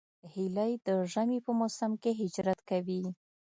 هیلۍ د ژمي په موسم کې هجرت کوي